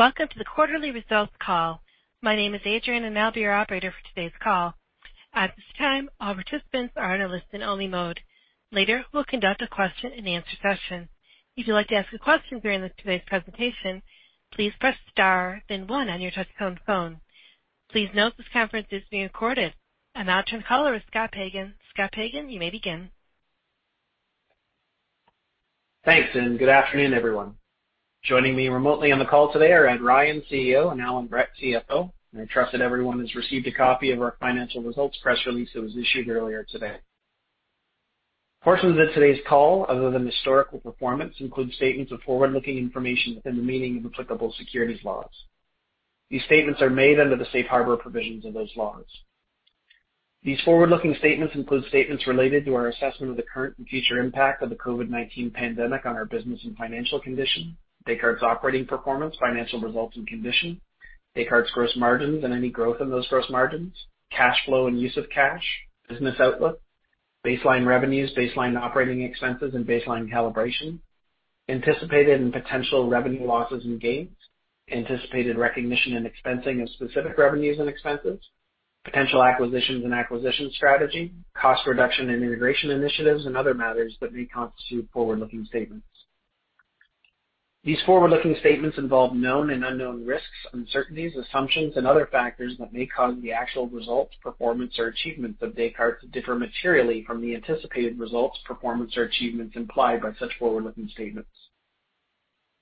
Welcome to the quarterly results call. My name is Adrian, and I'll be your operator for today's call. At this time, all participants are in a listen-only mode. Later, we'll conduct a question-and-answer session. If you'd like to ask a question during today's presentation, please press star then one on your touch-tone phone. Please note this conference is being recorded. Now turn call over to Scott Pagan. Scott Pagan, you may begin. Thanks, and good afternoon, everyone. Joining me remotely on the call today are Ed Ryan, CEO, and Allan Brett, CFO. I trust that everyone has received a copy of our financial results press release that was issued earlier today. Portions of today's call, other than historical performance, include statements of forward-looking information within the meaning of applicable securities laws. These statements are made under the safe harbor provisions of those laws. These forward-looking statements include statements related to our assessment of the current and future impact of the COVID-19 pandemic on our business and financial condition, Descartes operating performance, financial results and condition, Descartes gross margins and any growth in those gross margins, cash flow and use of cash, business outlook, baseline revenues, baseline operating expenses, and baseline calibration, anticipated and potential revenue losses and gains, anticipated recognition and expensing of specific revenues and expenses, potential acquisitions and acquisition strategy, cost reduction and integration initiatives, and other matters that may constitute forward-looking statements. These forward-looking statements involve known and unknown risks, uncertainties, assumptions, and other factors that may cause the actual results, performance, or achievements of Descartes to differ materially from the anticipated results, performance, or achievements implied by such forward-looking statements.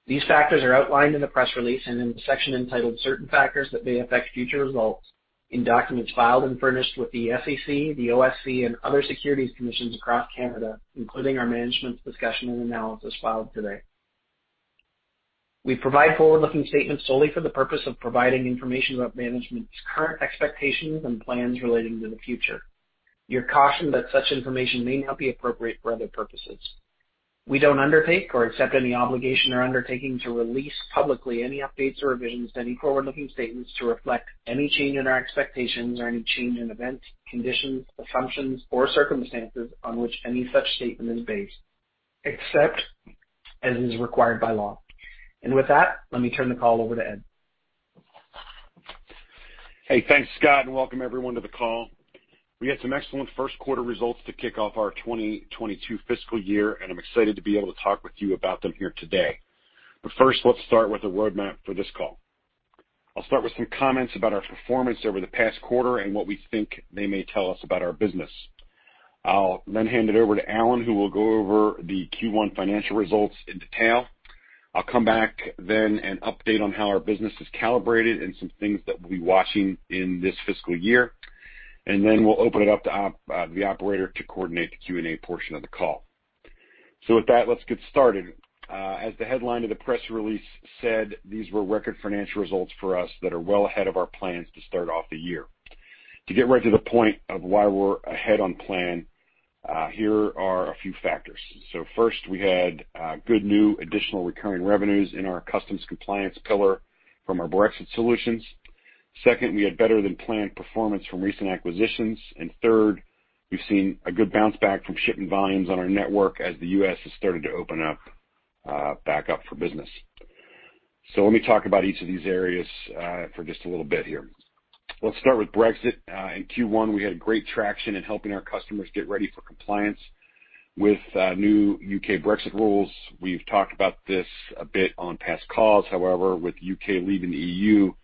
These factors are outlined in the press release and in the section entitled Certain Factors That May Affect Future Results. In documents filed and furnished with the SEC, the OSC, and other securities commissions across Canada, including our management discussion and analysis filed today. We provide forward-looking statements solely for the purpose of providing information about management's current expectations and plans relating to the future. You're cautioned that such information may not be appropriate for other purposes. We don't undertake or accept any obligation or undertaking to release publicly any updates or revisions to any forward-looking statements to reflect any change in our expectations or any change in events, conditions, assumptions, or circumstances on which any such statement is based, except as is required by law. With that, let me turn the call over to Ed. Thanks, Scott, and welcome everyone to the call. We had some excellent first quarter results to kick off our 2022 fiscal year, and I'm excited to be able to talk with you about them here today. First, let's start with the roadmap for this call. I'll start with some comments about our performance over the past quarter and what we think they may tell us about our business. I'll then hand it over to Allan, who will go over the Q1 financial results in detail. I'll come back then and update on how our business is calibrated and some things that we'll be watching in this fiscal year, and then we'll open it up to the operator to coordinate the Q&A portion of the call. With that, let's get started. As the headline of the press release said, these were record financial results for us that are well ahead of our plans to start off the year. To get right to the point of why we're ahead on plan, here are a few factors. First, we had good new additional recurring revenues in our customs compliance pillar from our Brexit solutions. Second, we had better-than-planned performance from recent acquisitions. Third, we've seen a good bounce back from shipping volumes on our network as the U.S. has started to open back up for business. Let me talk about each of these areas for just a little bit here. Let's start with Brexit, in Q1, we had great traction in helping our customers get ready for compliance with new U.K. Brexit rules. We've talked about this a bit on past calls. However, with the U.K. leaving the E.U.,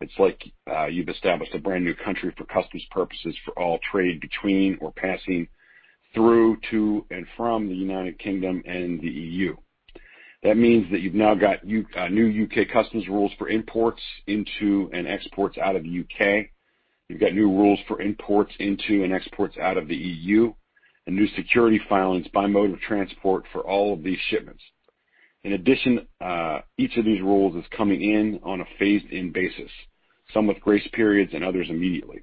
it's like you've established a brand-new country for customs purposes for all trade between or passing through to and from the United Kingdom and the E.U. That means that you've now got new U.K. customs rules for imports into and exports out of the U.K. You've got new rules for imports into and exports out of the E.U., and new security filings by mode of transport for all of these shipments. In addition, each of these rules is coming in on a phased-in basis, some with grace periods and others immediately,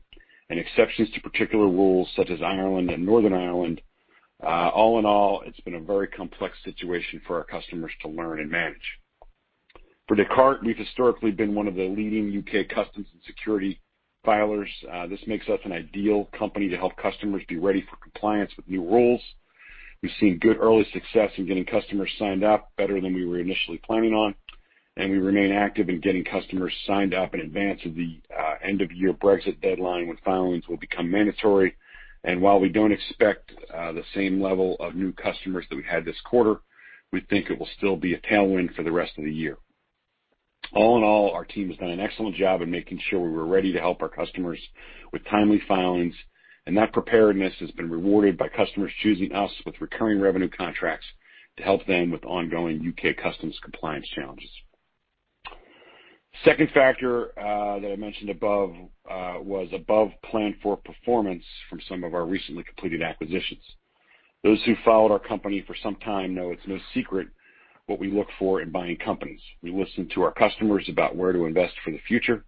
and exceptions to particular rules such as Ireland and Northern Ireland. All in all, it's been a very complex situation for our customers to learn and manage. For Descartes, we've historically been one of the leading U.K. customs and security filers. This makes us an ideal company to help customers be ready for compliance with new rules. We've seen good early success in getting customers signed up better than we were initially planning on, and we remain active in getting customers signed up in advance of the end-of-year Brexit deadline when filings will become mandatory. While we don't expect the same level of new customers that we had this quarter, we think it will still be a tailwind for the rest of the year. All in all, our team has done an excellent job in making sure we were ready to help our customers with timely filings, that preparedness has been rewarded by customers choosing us with recurring revenue contracts to help them with ongoing U.K. customs compliance challenges. Second factor that I mentioned above was above plan for performance from some of our recently completed acquisitions. Those who followed our company for some time know it's no secret what we look for in buying companies. We listen to our customers about where to invest for the future.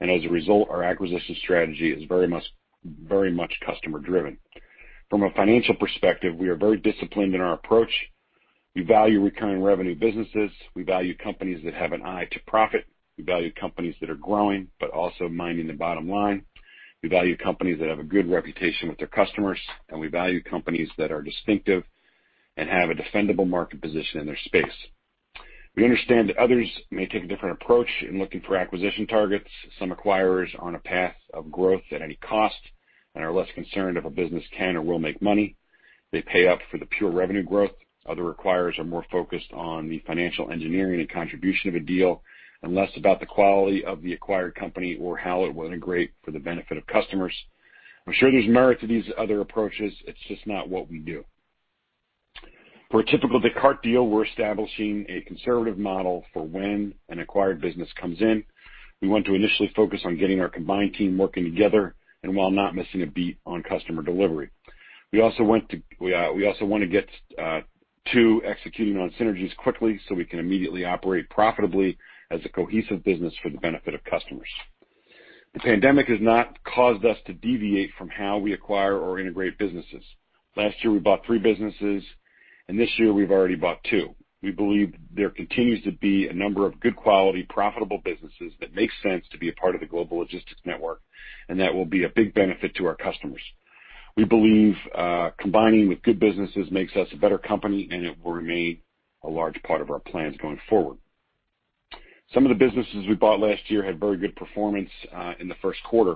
As a result, our acquisition strategy is very much customer-driven. From a financial perspective, we are very disciplined in our approach. We value recurring revenue businesses; we value companies that have an eye to profit. We value companies that are growing, but also minding the bottom line. We value companies that have a good reputation with their customers, and we value companies that are distinctive and have a defendable market position in their space. We understand that others may take a different approach in looking for acquisition targets. Some acquirers are on a path of growth at any cost and are less concerned if a business can or will make money. They pay up for the pure revenue growth. Other acquirers are more focused on the financial engineering and contribution of a deal, and less about the quality of the acquired company or how it will integrate for the benefit of customers. I'm sure there's merit to these other approaches, it's just not what we do. For a typical Descartes deal, we're establishing a conservative model for when an acquired business comes in. We want to initially focus on getting our combined team working together and while not missing a beat on customer delivery. We also want to get to executing on synergies quickly so we can immediately operate profitably as a cohesive business for the benefit of customers. The pandemic has not caused us to deviate from how we acquire or integrate businesses. Last year, we bought three businesses, and this year we've already bought two. We believe there continues to be a number of good quality, profitable businesses that make sense to be a part of the Global Logistics Network, and that will be a big benefit to our customers. We believe combining with good businesses makes us a better company, and it will remain a large part of our plans going forward. Some of the businesses we bought last year had very good performance in the first quarter.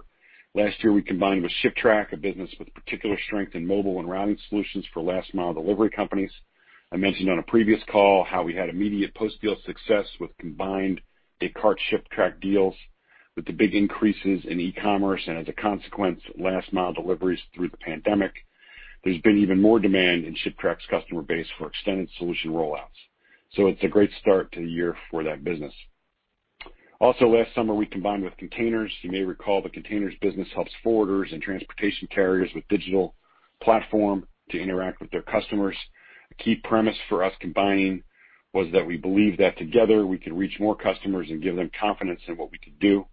Last year, we combined with ShipTrack, a business with particular strength in mobile and routing solutions for last-mile delivery companies. I mentioned on a previous call how we had immediate post-deal success with combined Descartes ShipTrack deals. With the big increases in e-commerce, and as a consequence, last mile deliveries through the pandemic, there's been even more demand in ShipTrack's customer base for extended solution rollouts. It's a great start to the year for that business. Also, last summer, we combined with Kontainers. You may recall the Kontainers business helps forwarders and transportation carriers with digital platform to interact with their customers. A key premise for us combining was that we believe that together we could reach more customers and give them confidence in what we could do.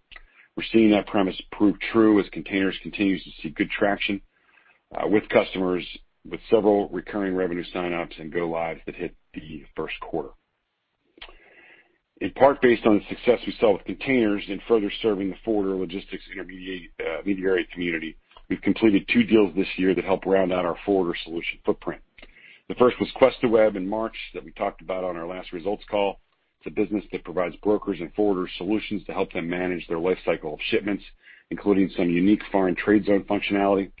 We're seeing that premise prove true as Kontainers continues to see good traction with customers, with several recurring revenue sign-ups and go lives that hit the first quarter. In part based on the success we saw with Kontainers in further serving the forwarder logistics intermediary community, we've completed two deals this year that help round out our forwarder solution footprint. The first was QuestaWeb in March that we talked about on our last results call. It's a business that provides brokers and forwarders solutions to help them manage their life cycle of shipments, including some unique foreign trade zone functionality.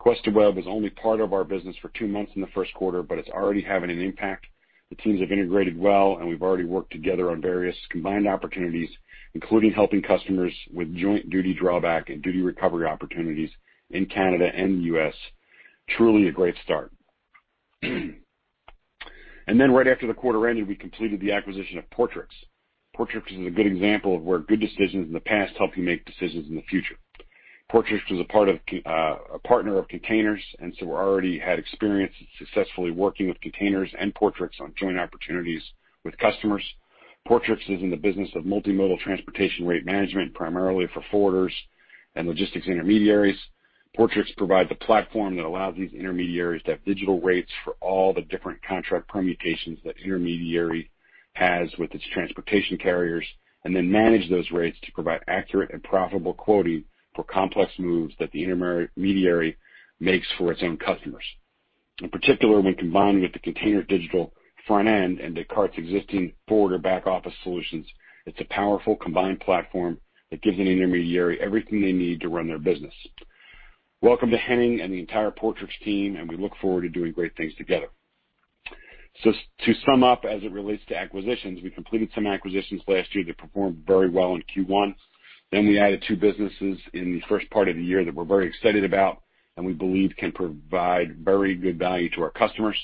QuestaWeb was only part of our business for two months in the first quarter, but it's already having an impact. The teams have integrated well, and we've already worked together on various combined opportunities, including helping customers with joint duty drawback and duty recovery opportunities in Canada and the U.S. Truly a great start. Right after the quarter ended, we completed the acquisition of Portrix. Portrix is a good example of where good decisions in the past help you make decisions in the future. Portrix was a partner of Kontainers, we already had experience successfully working with Kontainers and Portrix on joint opportunities with customers. Portrix is in the business of multimodal transportation rate management, primarily for forwarders and logistics intermediaries. Portrix provides a platform that allows these intermediaries to have digital rates for all the different contract permutations that intermediary has with its transportation carriers, and then manage those rates to provide accurate and profitable quoting for complex moves that the intermediary makes for its own customers. In particular, when combined with the Kontainers digital front end and Descartes existing forwarder back-office solutions, it's a powerful combined platform that gives an intermediary everything they need to run their business. Welcome to Henning and the entire Portrix team, and we look forward to doing great things together. To sum up, as it relates to acquisitions, we completed some acquisitions last year that performed very well in Q1. We added two businesses in the first part of the year that we're very excited about and we believe can provide very good value to our customers.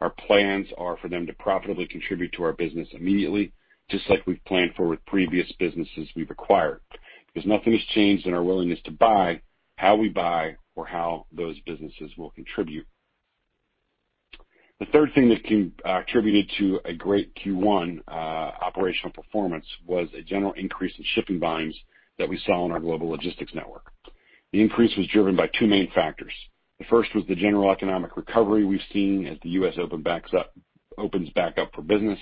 Our plans are for them to profitably contribute to our business immediately, just like we've planned for with previous businesses we've acquired. Nothing has changed in our willingness to buy, how we buy, or how those businesses will contribute. The third thing that contributed to a great Q1 operational performance was a general increase in shipping volumes that we saw in our Global Logistics Network. The increase was driven by two main factors. The first was the general economic recovery we've seen as the U.S. opens back up for business,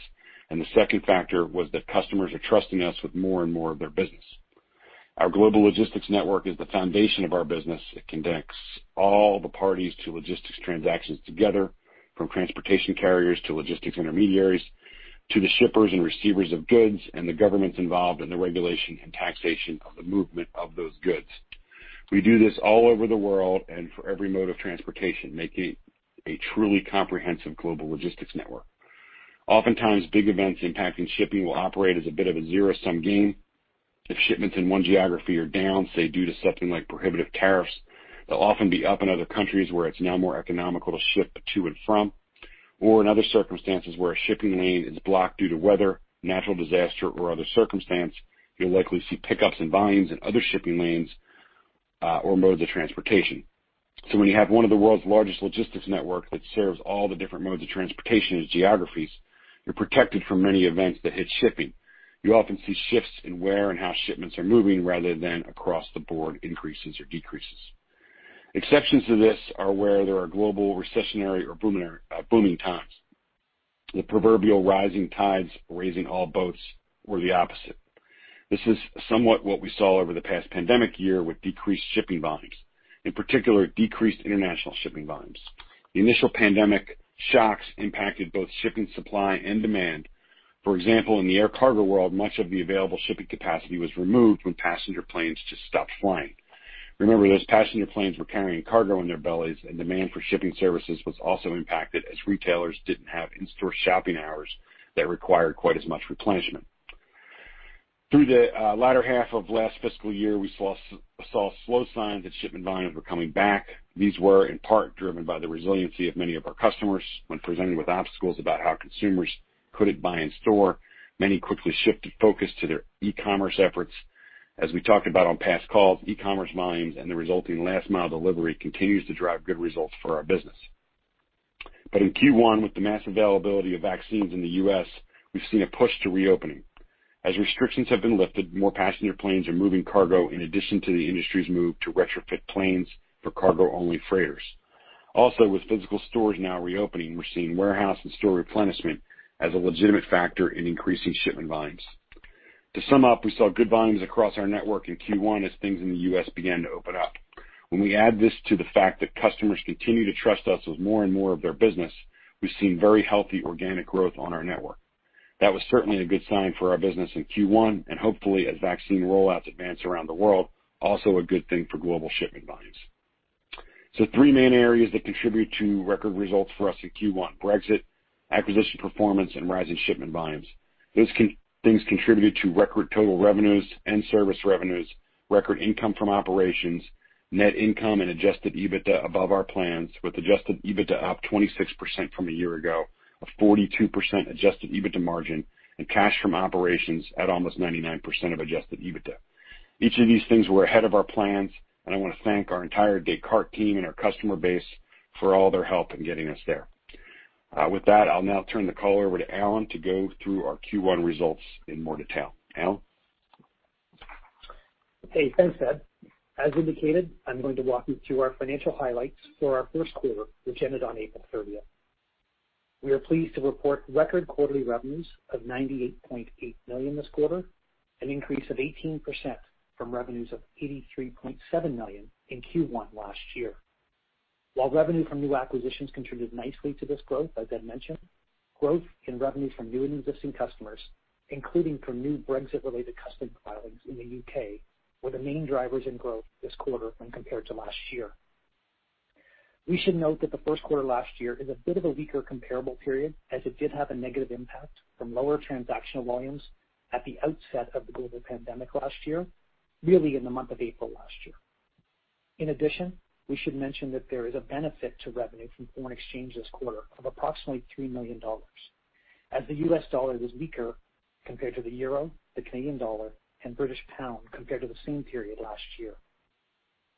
and the second factor was that customers are trusting us with more and more of their business. Our Global Logistics Network is the foundation of our business. It connects all the parties to logistics transactions together, from transportation carriers to logistics intermediaries, to the shippers and receivers of goods, and the governments involved in the regulation and taxation of the movement of those goods. We do this all over the world and for every mode of transportation, making a truly comprehensive Global Logistics Network. Oftentimes, big events impacting shipping will operate as a bit of a zero-sum game. If shipments in one geography are down, say, due to something like prohibitive tariffs, they'll often be up in other countries where it's now more economical to ship to and from, or in other circumstances where a shipping lane is blocked due to weather, natural disaster, or other circumstance, you'll likely see pickups in volumes in other shipping lanes or modes of transportation. When you have one of the world's largest logistics network that serves all the different modes of transportation and geographies, you're protected from many events that hit shipping. You often see shifts in where and how shipments are moving rather than across-the-board increases or decreases. Exceptions to this are where there are global recessionary or booming times. The proverbial rising tides raising all boats or the opposite. This is somewhat what we saw over the past pandemic year with decreased shipping volumes. In particular, decreased international shipping volumes. The initial pandemic shocks impacted both shipping supply and demand. For example, in the air cargo world, much of the available shipping capacity was removed when passenger planes just stopped flying. Remember, those passenger planes were carrying cargo in their bellies, and demand for shipping services was also impacted as retailers didn't have in-store shopping hours that required quite as much replenishment. Through the latter half of last fiscal year, we saw slow signs that shipment volumes were coming back. These were in part driven by the resiliency of many of our customers. When presented with obstacles about how consumers couldn't buy in store, many quickly shifted focus to their e-commerce efforts. As we talked about on past calls, e-commerce volumes and the resulting last-mile delivery continues to drive good results for our business. In Q1, with the mass availability of vaccines in the U.S., we've seen a push to reopening. Restrictions have been lifted; more passenger planes are moving cargo in addition to the industry's move to retrofit planes for cargo-only freighters. With physical stores now reopening, we're seeing warehouse and store replenishment as a legitimate factor in increasing shipment volumes. To sum up, we saw good volumes across our network in Q1 as things in the U.S. began to open up. When we add this to the fact that customers continue to trust us with more and more of their business, we've seen very healthy organic growth on our network. That was certainly a good sign for our business in Q1, and hopefully as vaccine rollouts advance around the world, also a good thing for global shipment volumes. Three main areas that contribute to record results for us in Q1: Brexit, acquisition performance, and rising shipment volumes. Those things contributed to record total revenues and service revenues, record income from operations, net income, and adjusted EBITDA above our plans, with adjusted EBITDA up 26% from a year ago, a 42% adjusted EBITDA margin, and cash from operations at almost 99% of adjusted EBITDA. Each of these things were ahead of our plans, and I want to thank our entire Descartes team and our customer base for all their help in getting us there. With that, I'll now turn the call over to Allan to go through our Q1 results in more detail, Allan? Hey, thanks, Ed. As indicated, I'm going to walk you through our financial highlights for our first quarter, which ended on April 30th. We are pleased to report record quarterly revenues of $98.8 million this quarter, an increase of 18% from revenues of $83.7 million in Q1 last year. While revenue from new acquisitions contributed nicely to this growth, as Ed mentioned, growth in revenue from new and existing customers, including from new Brexit-related custom volumes in the U.K., were the main drivers in growth this quarter when compared to last year. We should note that the first quarter last year is a bit of a weaker comparable period, as it did have a negative impact from lower transactional volumes at the outset of the global pandemic last year, really in the month of April last year. We should mention that there is a benefit to revenue from foreign exchange this quarter of approximately $3 million. The U.S. dollar was weaker compared to the euro, the Canadian dollar, and British pound compared to the same period last year.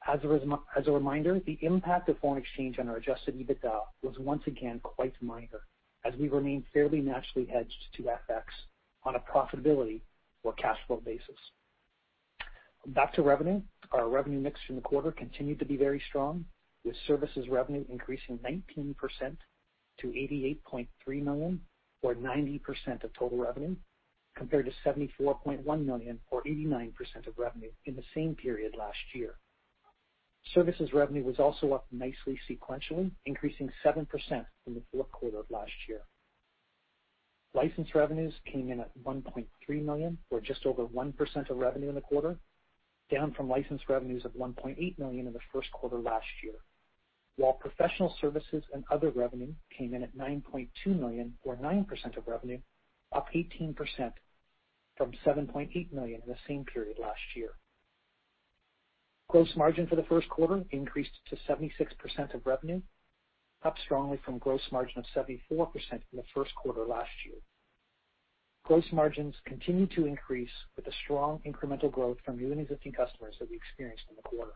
A reminder, the impact of foreign exchange on our adjusted EBITDA was once again quite minor, as we remain fairly naturally hedged to FX on a profitability or cash flow basis. Back to revenue, our revenue mix in the quarter continued to be very strong, with services revenue increasing 19% to $88.3 million or 90% of total revenue, compared to $74.1 million or 89% of revenue in the same period last year. Services revenue was also up nicely sequentially, increasing 7% from the fourth quarter of last year. License revenues came in at $1.3 million or just over 1% of revenue in the quarter, down from license revenues of $1.8 million in the first quarter last year. Professional services and other revenue came in at $9.2 million or 9% of revenue, up 18% from $7.8 million the same period last year. Gross margin for the first quarter increased to 76% of revenue, up strongly from gross margin of 74% in the first quarter last year. Gross margins continue to increase with the strong incremental growth from new and existing customers that we experienced in the quarter.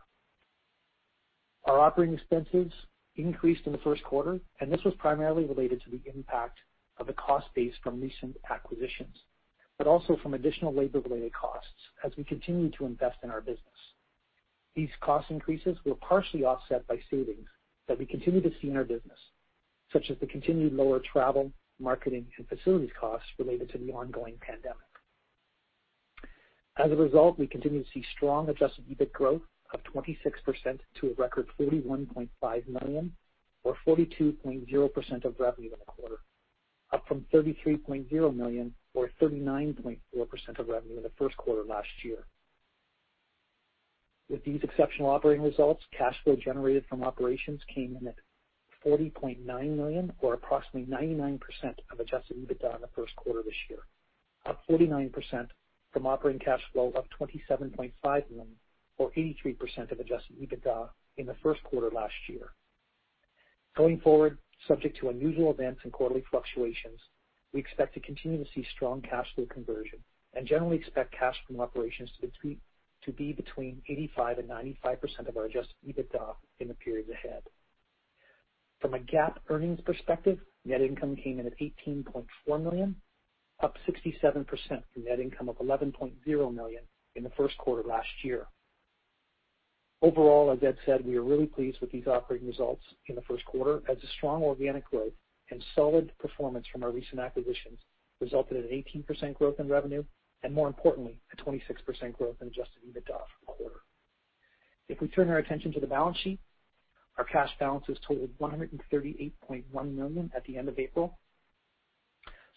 Our operating expenses increased in the first quarter. This was primarily related to the impact of the cost base from recent acquisitions, but also from additional labor-related costs as we continue to invest in our business. These cost increases were partially offset by savings that we continue to see in our business, such as the continued lower travel, marketing, and facility costs related to the ongoing pandemic. As a result, we continue to see strong adjusted EBIT growth of 26% to a record $31.5 million or 42.0% of revenue in the quarter, up from $33.0 million or 39.0% of revenue in the first quarter last year. With these exceptional operating results, cash flow generated from operations came in at $40.9 million or approximately 99% of adjusted EBITDA in the first quarter of this year, up 49% from operating cash flow of $27.5 million or 83% of adjusted EBITDA in the first quarter last year. Going forward, subject to unusual events and quarterly fluctuations, we expect to continue to see strong cash flow conversion and generally expect cash from operations to be between 85% and 95% of our adjusted EBITDA in the periods ahead. From a GAAP earnings perspective, net income came in at $18.4 million, up 67% from net income of $11.0 million in the first quarter last year. Overall, as Ed said, we are really pleased with these operating results in the first quarter, as the strong organic growth and solid performance from our recent acquisitions resulted in an 18% growth in revenue, and more importantly, a 26% growth in adjusted EBITDA for the quarter. If we turn our attention to the balance sheet, our cash balances totaled $138.1 million at the end of April.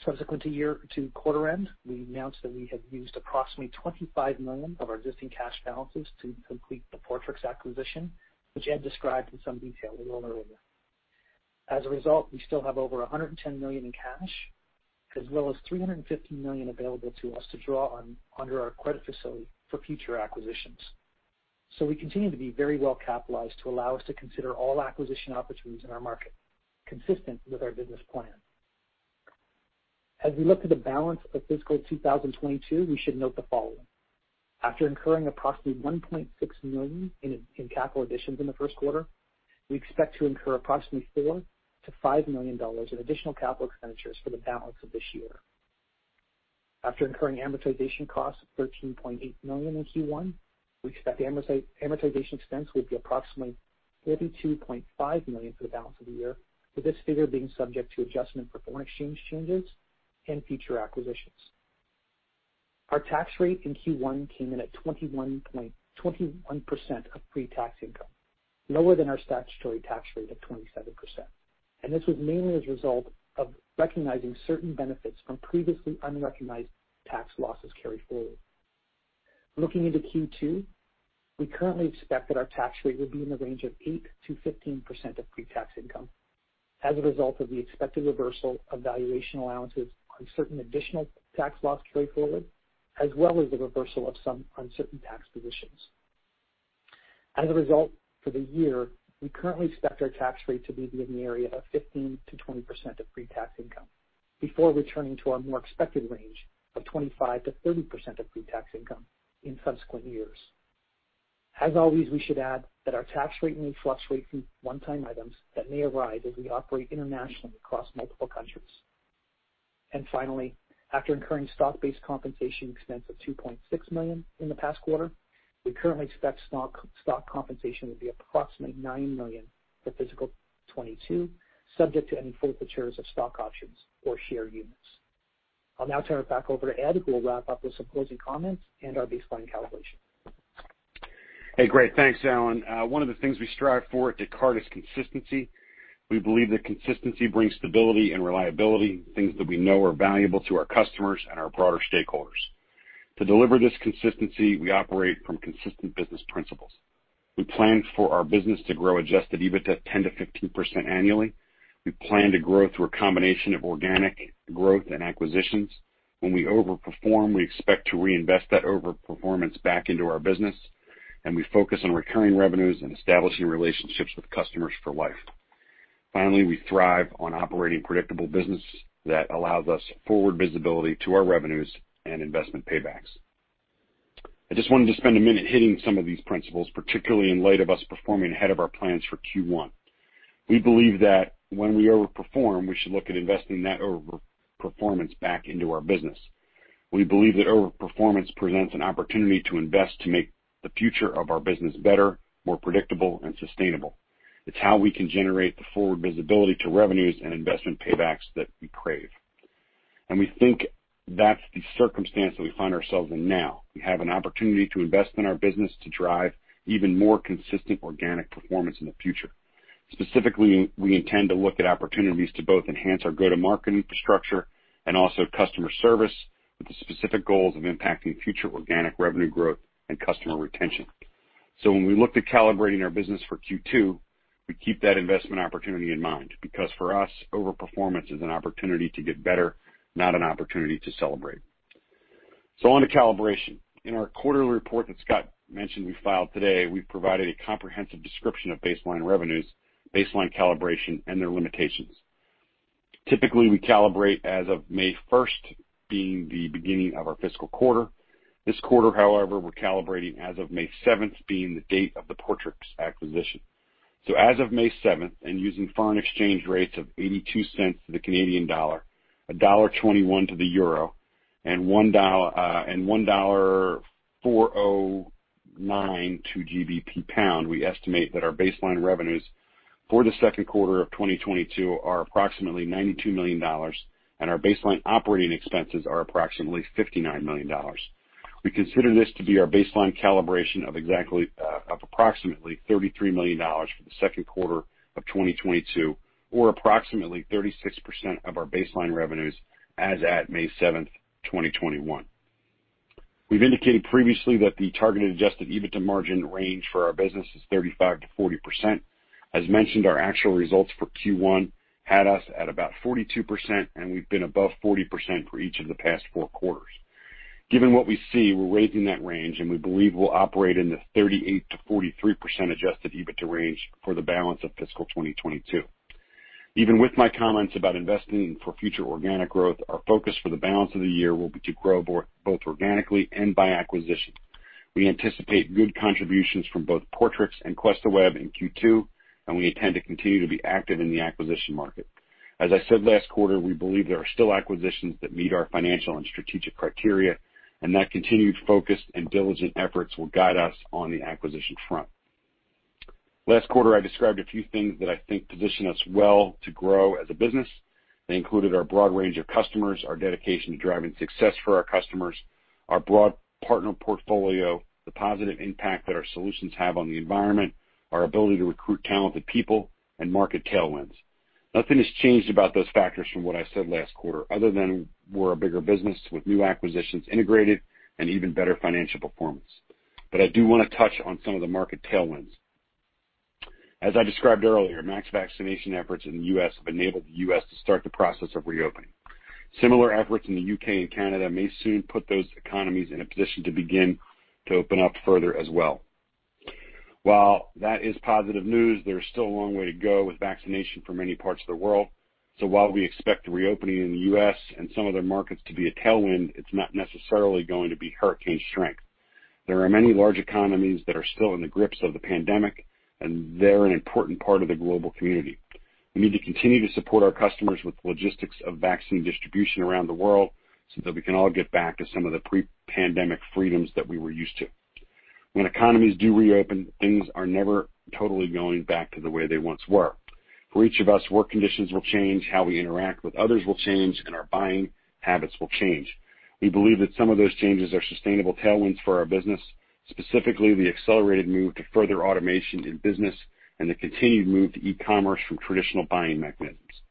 Subsequent to quarter end, we announced that we have used approximately $25 million of our existing cash balances to complete the Portrix acquisition, which Ed described in some detail a little earlier. As a result, we still have over $110 million in cash, as well as $350 million available to us to draw on under our credit facility for future acquisitions. We continue to be very well capitalized to allow us to consider all acquisition opportunities in our market, consistent with our business plan. As we look to the balance of fiscal 2022, we should note the following. After incurring approximately $1.6 million in capital additions in the first quarter, we expect to incur approximately $4 million-$5 million in additional capital expenditures for the balance of this year. After incurring amortization costs of $13.8 million in Q1, we expect amortization expense will be approximately $32.5 million for the balance of the year, with this figure being subject to adjustment for foreign exchange changes and future acquisitions. Our tax rate in Q1 came in at 21% of pre-tax income, lower than our statutory tax rate of 27%. This was mainly as a result of recognizing certain benefits from previously unrecognized tax losses carried forward. Looking into Q2, we currently expect that our tax rate will be in the range of 8%-15% of pre-tax income as a result of the expected reversal of valuation allowances on certain additional tax loss carryforwards, as well as the reversal of some uncertain tax positions. As a result, for the year, we currently expect our tax rate to be in the area of 15%-20% of pre-tax income before returning to our more expected range of 25%-30% of pre-tax income in subsequent years. As always, we should add that our tax rate may fluctuate from one-time items that may arise as we operate internationally across multiple countries. Finally, after incurring stock-based compensation expense of $2.6 million in the past quarter, we currently expect stock compensation will be approximately $9 million for fiscal 2022, subject to any forfeitures of stock options or share units. I'll now turn it back over to Ed, who will wrap up with some closing comments and our baseline calibration. Hey, great, thanks, Allan. One of the things we strive for at Descartes is consistency. We believe that consistency brings stability and reliability, things that we know are valuable to our customers and our broader stakeholders. To deliver this consistency, we operate from consistent business principles. We plan for our business to grow adjusted EBITDA 10%-15% annually. We plan to grow through a combination of organic growth and acquisitions. When we overperform, we expect to reinvest that overperformance back into our business, and we focus on recurring revenues and establishing relationships with customers for life. Finally, we thrive on operating predictable business that allows us forward visibility to our revenues and investment paybacks. I just wanted to spend a minute hitting some of these principles, particularly in light of us performing ahead of our plans for Q1. We believe that when we overperform, we should look at investing that overperformance back into our business. We believe that overperformance presents an opportunity to invest to make the future of our business better, more predictable, and sustainable. It's how we can generate the forward visibility to revenues and investment paybacks that we crave. We think that's the circumstance that we find ourselves in now. We have an opportunity to invest in our business to drive even more consistent organic performance in the future. Specifically, we intend to look at opportunities to both enhance our go-to-market infrastructure and also customer service, with the specific goals of impacting future organic revenue growth and customer retention. When we look to calibrating our business for Q2, we keep that investment opportunity in mind, because for us, overperformance is an opportunity to get better, not an opportunity to celebrate. On to calibration. In our quarterly report that Scott mentioned we filed today, we provided a comprehensive description of baseline revenues, baseline calibration, and their limitations. Typically, we calibrate as of May 1st being the beginning of our fiscal quarter. This quarter, however, we're calibrating as of May seventh being the date of the Portrix acquisition. As of May seventh, and using foreign exchange rates of 0.82 to the Canadian dollar, EUR 1.21 to the euro, and GBP 1.409, we estimate that our baseline revenues for the second quarter of 2022 are approximately $92 million, and our baseline operating expenses are approximately $59 million. We consider this to be our baseline calibration of approximately $33 million for the second quarter of 2022, or approximately 36% of our baseline revenues as at May seventh, 2021. We've indicated previously that the targeted adjusted EBITDA margin range for our business is 35%-40%. As mentioned, our actual results for Q1 had us at about 42%, and we've been above 40% for each of the past four quarters. Given what we see, we're raising that range, and we believe we'll operate in the 38%-43% adjusted EBITDA range for the balance of fiscal 2022. Even with my comments about investing for future organic growth, our focus for the balance of the year will be to grow both organically and by acquisition. We anticipate good contributions from both Portrix and QuestaWeb in Q2, and we intend to continue to be active in the acquisition market. As I said last quarter, we believe there are still acquisitions that meet our financial and strategic criteria, and that continued focus and diligent efforts will guide us on the acquisition front. Last quarter, I described a few things that I think position us well to grow as a business. They included our broad range of customers, our dedication to driving success for our customers, our broad partner portfolio, the positive impact that our solutions have on the environment, our ability to recruit talented people, and market tailwinds. Nothing has changed about those factors from what I said last quarter, other than we're a bigger business with new acquisitions integrated and even better financial performance. I do want to touch on some of the market tailwinds. As I described earlier, mass vaccination efforts in the U.S. have enabled the U.S. to start the process of reopening. Similar efforts in the U.K. and Canada may soon put those economies in a position to begin to open up further as well. While that is positive news, there's still a long way to go with vaccination for many parts of the world. While we expect the reopening in the U.S. and some other markets to be a tailwind, it's not necessarily going to be hurricane strength. There are many large economies that are still in the grips of the pandemic and they're an important part of the global community. We need to continue to support our customers with logistics of vaccine distribution around the world, so that we can all get back to some of the pre-pandemic freedoms that we were used to. When economies do reopen, things are never totally going back to the way they once were. For each of us, work conditions will change, how we interact with others will change, and our buying habits will change. We believe that some of those changes are sustainable tailwinds for our business, specifically the accelerated move to further automation in business and the continued move to e-commerce from traditional buying mechanisms.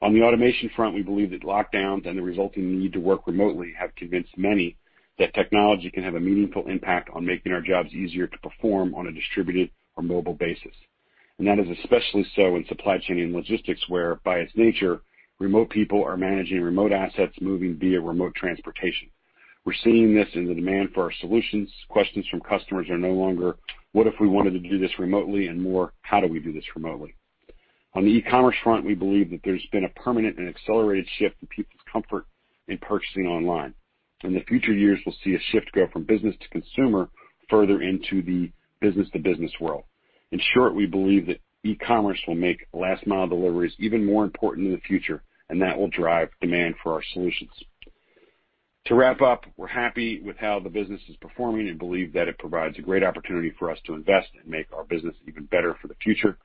On the automation front, we believe that lockdowns and the resulting need to work remotely have convinced many that technology can have a meaningful impact on making our jobs easier to perform on a distributed or mobile basis. That is especially so in supply chain and logistics, where, by its nature, remote people are managing remote assets moving via remote transportation. We're seeing this in the demand for our solutions. Questions from customers are no longer, "What if we wanted to do this remotely?" and more, "How do we do this remotely?" On the e-commerce front, we believe that there's been a permanent and accelerated shift in people's comfort in purchasing online. In the future years, we'll see a shift go from business-to-consumer further into the business-to-business world. In short, we believe that e-commerce will make last-mile deliveries even more important in the future, and that will drive demand for our solutions. To wrap up, we're happy with how the business is performing and believe that it provides a great opportunity for us to invest and make our business even better for the future,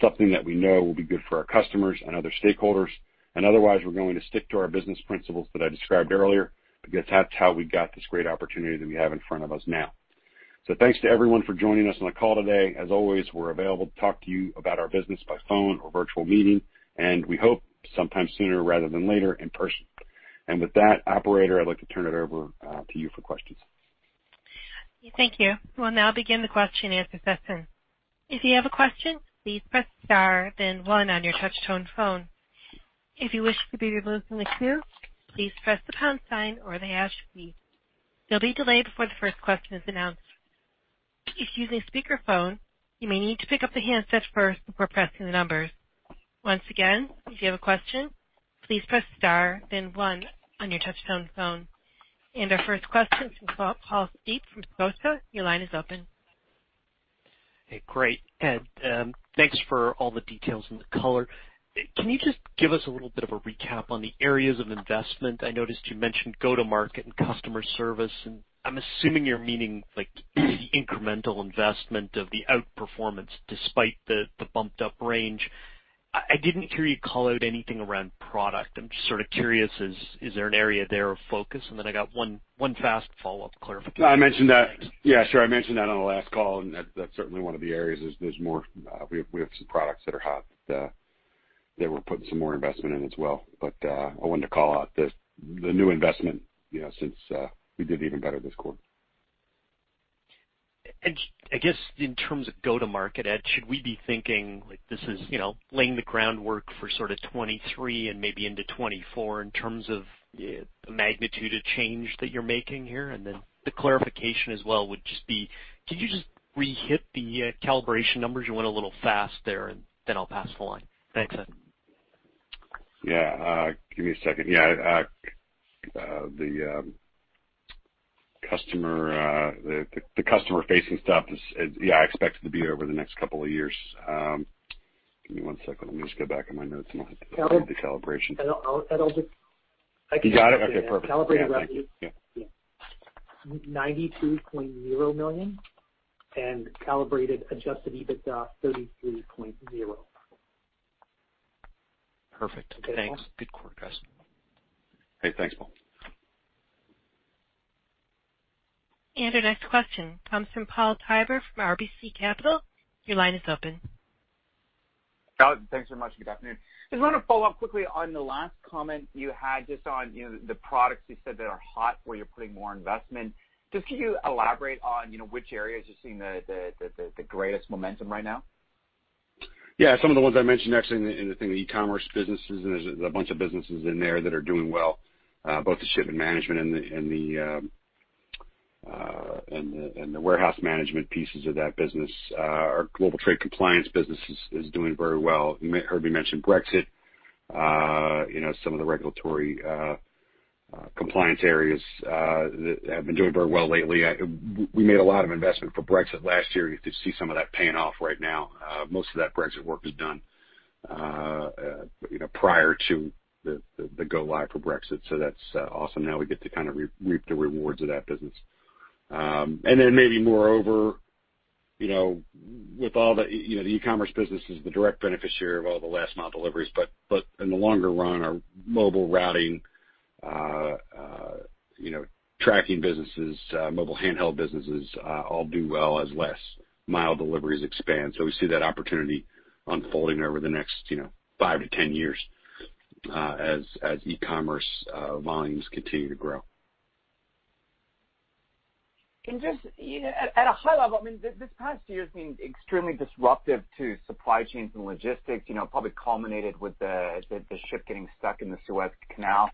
something that we know will be good for our customers and other stakeholders. Otherwise, we're going to stick to our business principles that I described earlier, because that's how we got this great opportunity that we have in front of us now. Thanks to everyone for joining us on the call today. As always, we're available to talk to you about our business by phone or virtual meeting, and we hope sometime sooner rather than later in person. With that, operator, I'd like to turn it over to you for questions. Thank you, our first question from Paul Steep from Scotiabank, your line is open. Hey, great, Ed, thanks for all the details and the color. Can you just give us a little bit of a recap on the areas of investment? I noticed you mentioned go-to-market and customer service, and I'm assuming you're meaning incremental investment of the outperformance despite the bumped up range. I didn't hear you call out anything around product. I'm just sort of curious, is there an area there of focus? I got one fast follow-up clarification. I mentioned that. Yeah, sure, I mentioned that on the last call, and that's certainly one of the areas. We have some products that are hot that we're putting some more investment in as well. I wanted to call out the new investment since we did even better this quarter. I guess in terms of go-to-market, Ed, should we be thinking this is laying the groundwork for sort of 2023 and maybe into 2024 in terms of the magnitude of change that you're making here? The clarification as well would just be, can you just re-hit the calibration numbers? You went a little fast there, and then I'll pass to the line, thanks, Ed. Yeah, give me a second. Yeah, the customer-facing stuff is, yeah, I expect it to be over the next couple of years. Give me one second, let me just go back in my notes and look at the calibration. And I'll just- You got it? Okay, perfect, yeah. Calibration was $92.0 million, and calibrated adjusted EBITDA, $33.0 million. Perfect, thanks, good quarter guys. Hey, thanks, Paul. Our next question comes from Paul Treiber from RBC Capital Markets, your line is open. Ed, thanks very much, good afternoon. I just want to follow up quickly on the last comment you had just on the products you said that are hot where you're putting more investment. Just can you elaborate on which areas you're seeing the greatest momentum right now? Yeah, some of the ones I mentioned actually in the e-commerce businesses, there's a bunch of businesses in there that are doing well, both the shipment management and the warehouse management pieces of that business. Our global trade compliance business is doing very well. You heard me mention Brexit, some of the regulatory compliance areas that have been doing very well lately. We made a lot of investment for Brexit last year. You get to see some of that paying off right now. Most of that Brexit work is done prior to the go-live of Brexit. That's awesome. Now we get to reap the rewards of that business. Maybe moreover, with all the e-commerce businesses, the direct beneficiary of all the last mile deliveries, but in the longer run, our mobile routing, tracking businesses, mobile handheld businesses all do well as last mile deliveries expand. We see that opportunity unfolding over the next 5-10 years as e-commerce volumes continue to grow. Just at a high level, this past year has been extremely disruptive to supply chains and logistics, probably culminated with the ship getting stuck in the Suez Canal.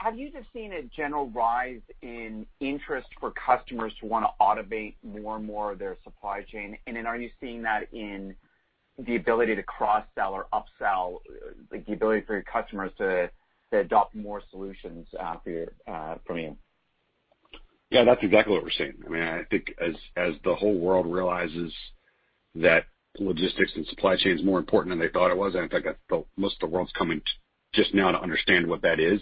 Have you just seen a general rise in interest for customers who want to automate more and more of their supply chain? Are you seeing that in the ability to cross-sell or upsell, the ability for your customers to adopt more solutions from you? Yeah, that's exactly what we're seeing. I think as the whole world realizes that logistics and supply chain is more important than they thought it was, and I think most of the world's coming just now to understand what that is.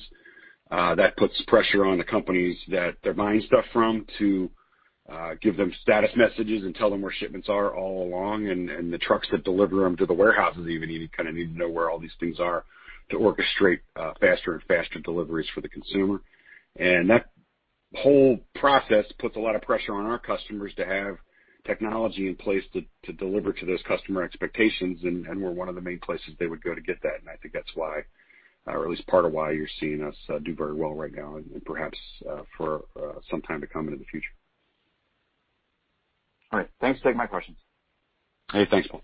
That puts pressure on the companies that they're buying stuff from to give them status messages and tell them where shipments are all along, and the trucks that deliver them to the warehouses even need to know where all these things are to orchestrate faster and faster deliveries for the consumer. That whole process puts a lot of pressure on our customers to have technology in place to deliver to those customer expectations. We're one of the main places they would go to get that. I think that's why, or at least part of why you're seeing us do very well right now and perhaps for some time to come in the future. All right, thanks for taking my questions. Hey, thanks, Paul.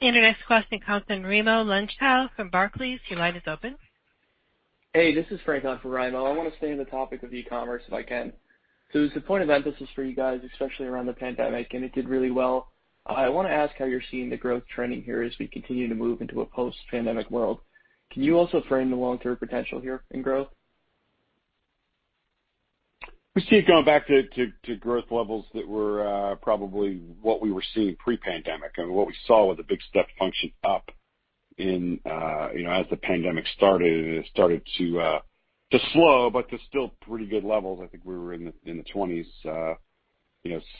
Your next question comes from Raimo Lenschow from Barclays, your line is open. Hey, this is Frank Tang on for Raimo. I want to stay on the topic of e-commerce if I can. This is a point of emphasis for you guys, especially around the pandemic, and it did really well. I want to ask how you're seeing the growth trending here as we continue to move into a post-pandemic world? Can you also frame the long-term potential here in growth? We see it going back to growth levels that were probably what we were seeing pre-pandemic and what we saw with a big step function up as the pandemic started and it started to slow, but to still pretty good levels. I think we were in the 2020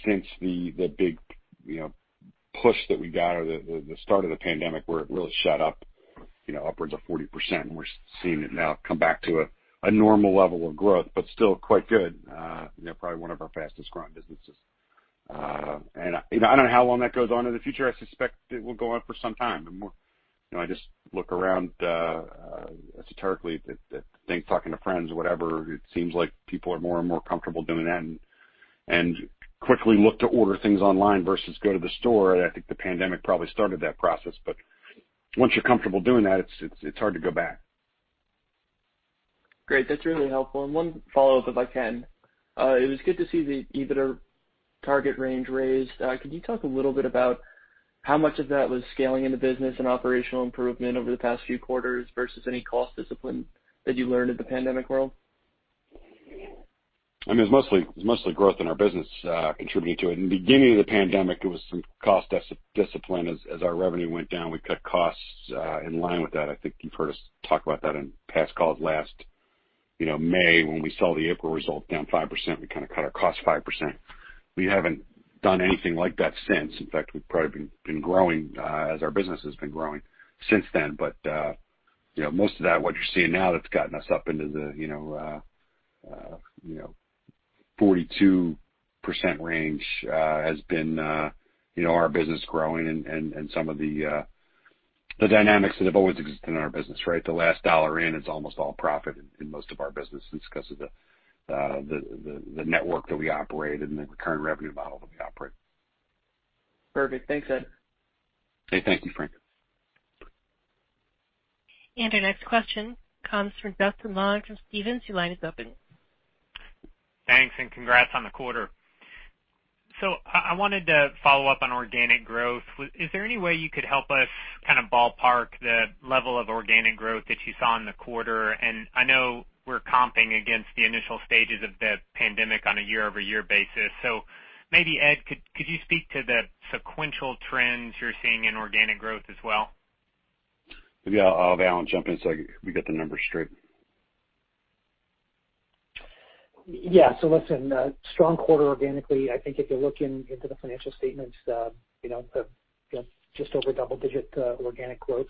since the big push that we got or the start of the pandemic where it really shot up upwards of 40%, and we're seeing it now come back to a normal level of growth, but still quite good. Probably one of our fastest growing businesses. I don't know how long that goes on in the future, I suspect it will go on for some time. I just look around, talking to friends, whatever, it seems like people are more and more comfortable doing that and quickly look to order things online versus go to the store. I think the pandemic probably started that process. Once you're comfortable doing that, it's hard to go back. Great, that's really helpful. One follow-up, if I can. It was good to see the EBITDA target range raised. Can you talk a little bit about how much of that was scaling in the business and operational improvement over the past few quarters versus any cost discipline that you learned in the pandemic world? It was mostly growth in our business contributing to it. In the beginning of the pandemic, there was some cost discipline as our revenue went down. We cut costs in line with that. I think you've heard us talk about that in past calls last May when we saw the April result down 5%, we kind of cut our cost 5%. We haven't done anything like that since. In fact, we've probably been growing as our business has been growing since then. Most of that, what you're seeing now that's gotten us up into the 42% range has been our business growing and some of the dynamics that have always existed in our business, right? The last dollar in is almost all profit in most of our business because of the network that we operate and the current revenue model that we operate. Perfect, thanks, Ed. Hey, thank you, Frank. Our next question comes from Justin Long from Stephens, your line is open. Thanks, and congrats on the quarter. I wanted to follow up on organic growth. Is there any way you could help us kind of ballpark the level of organic growth that you saw in the quarter? I know we're comping against the initial stages of the pandemic on a year-over-year basis. Maybe, Ed, could you speak to the sequential trends you're seeing in organic growth as well? Yeah, I'll have Allan jump in so we get the numbers straight. Listen, strong quarter organically. I think if you look into the financial statements, just over double-digit organic growth.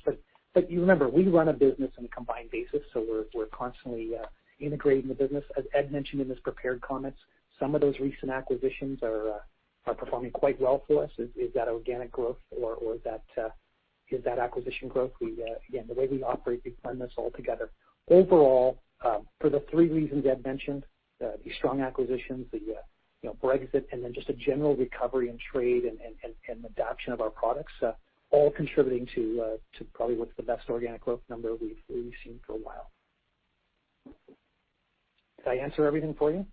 Remember, we run a business on a combined basis, so we're constantly integrating the business. As Ed mentioned in his prepared comments, some of those recent acquisitions are performing quite well for us. Is that organic growth or is that acquisition growth? Again, the way we operate, we blend this all together. Overall, for the three reasons Ed mentioned, the strong acquisitions, the Brexit, and then just a general recovery in trade and adoption of our products, all contributing to probably what's the best organic growth number we've seen for a while. Did I answer everything for you?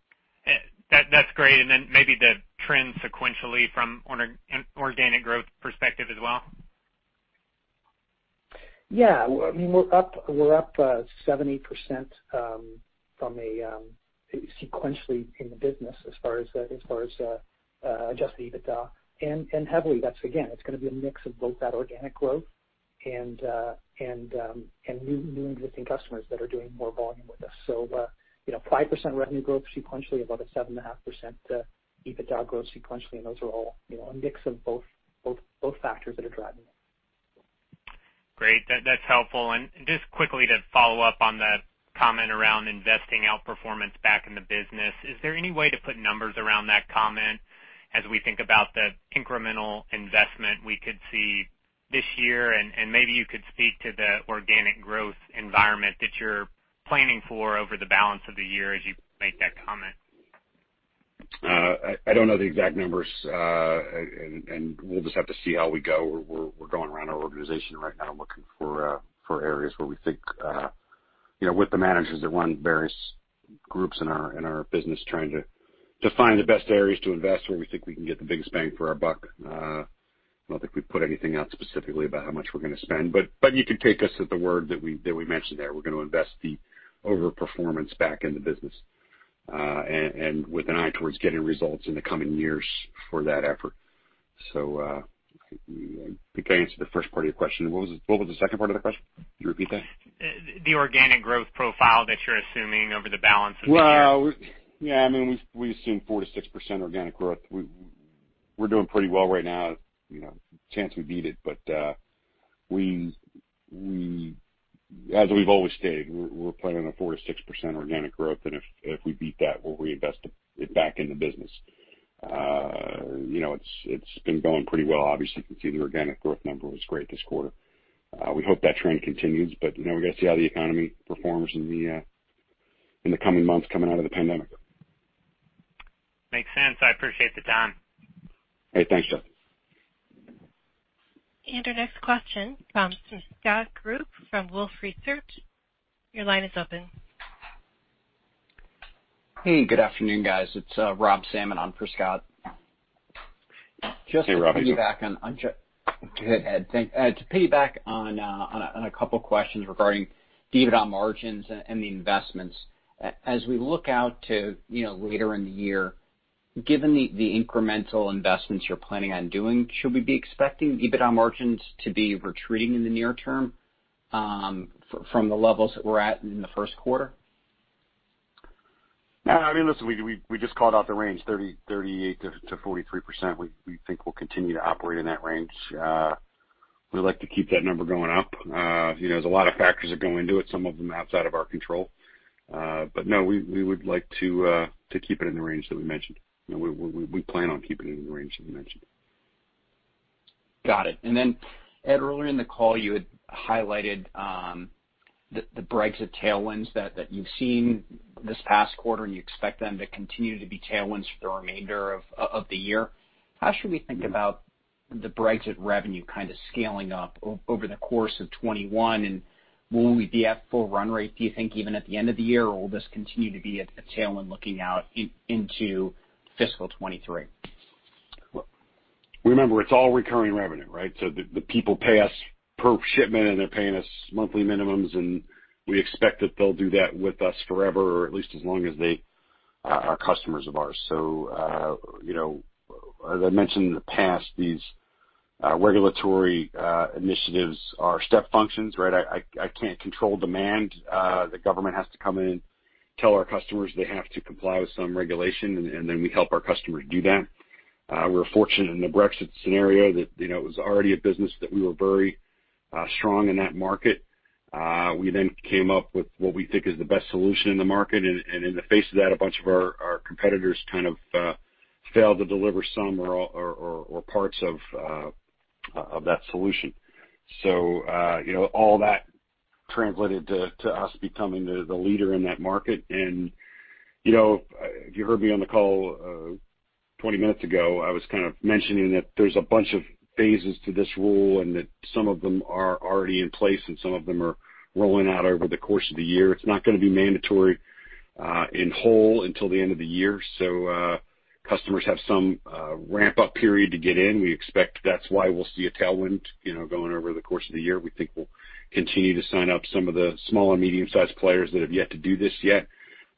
That's great, and then maybe the trend sequentially from organic growth perspective as well. Yeah, we're up 70% sequentially in the business as far as adjusted EBITDA. Heavily, that's again, it's going to be a mix of both that organic growth and new and existing customers that are doing more volume with us. 5% revenue growth sequentially above a 7.5% EBITDA growth sequentially, those are all a mix of both factors that are driving it. Great, that's helpful. Just quickly to follow up on the comment around investing outperformance back in the business, is there any way to put numbers around that comment as we think about the incremental investment we could see this year? Maybe you could speak to the organic growth environment that you're planning for over the balance of the year as you make that comment. I don't know the exact numbers, we'll just have to see how we go. We're going around our organization right now looking for areas where we think, with the managers that run various groups in our business, trying to find the best areas to invest, where we think we can get the biggest bang for our buck. I don't think we put anything out specifically about how much we're going to spend. You could take us at the word that we mentioned there. We're going to invest the overperformance back in the business, and with an eye towards getting results in the coming years for that effort. I think I answered the first part of your question. What was the second part of the question? Could you repeat that? The organic growth profile that you're assuming over the balance of the year. Well, yeah, we assume 4%-6% organic growth. We're doing pretty well right now, chance we beat it. As we've always stated, we're planning on 4% or 6% organic growth, and if we beat that, we'll reinvest it back in the business. It's been going pretty well. Obviously, you can see the organic growth number was great this quarter. We hope that trend continues, but we got to see how the economy performs in the coming months coming out of the pandemic. Makes sense, I appreciate the time. Hey, thanks, Justin. Our next question comes from Scott Group from Wolfe Research, your line is open. Hey, good afternoon, guys. It's Rob Salmon on for Scott. Hey, Rob. Go ahead, to piggyback on a couple questions regarding the EBITDA margins and the investments. As we look out to later in the year, given the incremental investments you're planning on doing, should we be expecting EBITDA margins to be retreating in the near term from the levels that we're at in the first quarter? No, I mean, listen, we just called out the range 38%-43%. We think we'll continue to operate in that range. We like to keep that number going up. There's a lot of factors that go into it, some of them outside of our control. No, we would like to keep it in the range that we mentioned. We plan on keeping it in the range that we mentioned. Got it, and then Ed, early in the call, you had highlighted the Brexit tailwinds that you've seen this past quarter, and you expect them to continue to be tailwinds for the remainder of the year. How should we think about the Brexit revenue kind of scaling up over the course of 2021? Will we be at full run rate, do you think, even at the end of the year? Will this continue to be a tailwind looking out into fiscal 2023? Remember, it's all recurring revenue, right? The people pay us per shipment, and they're paying us monthly minimums, and we expect that they'll do that with us forever, or at least as long as they are customers of ours. As I mentioned in the past, these regulatory initiatives are step functions, right? I can't control demand. The government has to come in, tell our customers they have to comply with some regulation, and then we help our customer do that. We're fortunate in the Brexit scenario that it was already a business that we were very strong in that market. We came up with what we think is the best solution in the market. In the face of that, a bunch of our competitor's kind of failed to deliver some or parts of that solution. All that translated to us becoming the leader in that market. You heard me on the call 20 minutes ago; I was kind of mentioning that there's a bunch of phases to this rule and that some of them are already in place and some of them are rolling out over the course of the year. It's not going to be mandatory in whole until the end of the year. Customers have some ramp-up period to get in. We expect that's why we'll see a tailwind going over the course of the year. We think we'll continue to sign up some of the small and medium-sized players that have yet to do this yet,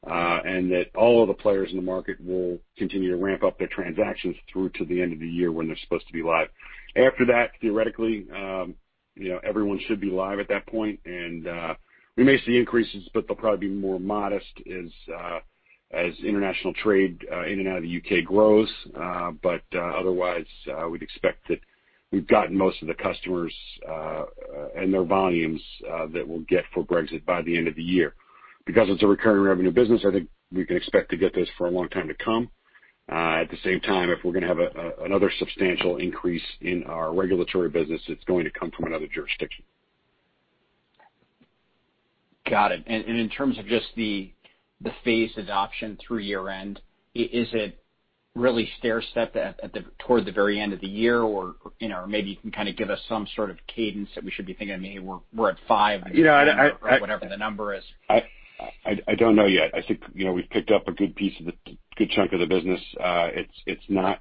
and that all of the players in the market will continue to ramp up their transactions through to the end of the year when they're supposed to be live. After that, theoretically, everyone should be live at that point. We may see increases, but they'll probably be more modest as international trade in and out of the U.K. grows. Otherwise, we'd expect that we've gotten most of the customers and their volumes that we'll get for Brexit by the end of the year. Because it's a recurring revenue business, I think we can expect to get this for a long time to come. At the same time, if we're going to have another substantial increase in our regulatory business, it's going to come from another jurisdiction. Got it, and in terms of just the phase adoption three year-end, is it really stair-step toward the very end of the year? Maybe you can kind of give us some sort of cadence that we should be thinking, "Hey, we're at five or whatever the number is. I don't know yet, I think we've picked up a good chunk of the business. It's not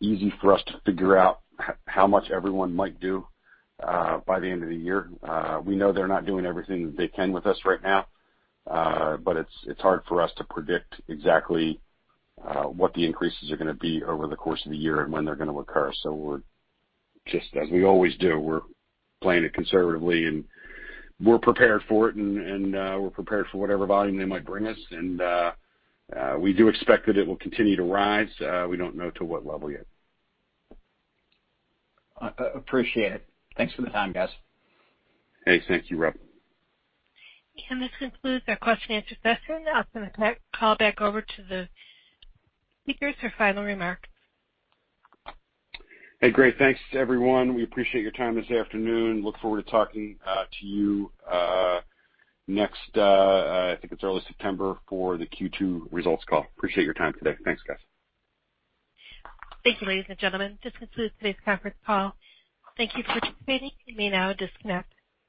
easy for us to figure out how much everyone might do by the end of the year. We know they're not doing everything that they can with us right now. It's hard for us to predict exactly what the increases are going to be over the course of the year and when they're going to occur. We're just as we always do, we're playing it conservatively, and we're prepared for it, and we're prepared for whatever volume they might bring us. We do expect that it will continue to rise, we don't know to what level yet. Appreciate it, thanks for the time, guys. Hey, thank you, Rob. This concludes our question-and-answer session. I'll turn the call back over to the speakers for final remarks. Hey, great, thanks to everyone. We appreciate your time this afternoon. Look forward to talking to you next, I think it's early September for the Q2 results call. Appreciate your time today, thanks, guys. Thank you, ladies and gentlemen, this concludes today's conference call. Thank you for participating, you may now disconnect.